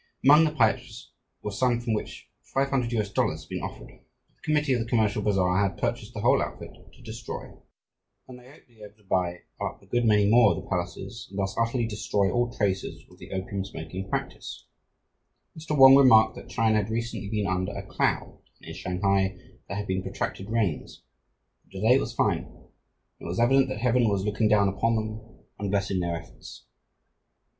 Among the pipes were some for which $500 had been offered, but the Committee of the Commercial Bazaar had purchased the whole outfit to destroy, and they hoped to be able to buy up a good many more of the palaces and thus utterly destroy all traces of the opium smoking practice. Mr. Wong remarked that China had recently been under a cloud and in Shanghai there had been protracted rains, but to day it was fine and it was evident that heaven was looking down upon them and blessing their efforts.